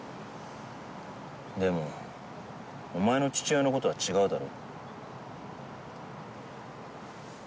でもお前の父親の事は違うだろ。